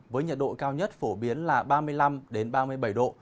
với nhiệt độ cao nhất phổ biến là ba mươi năm ba mươi bảy độ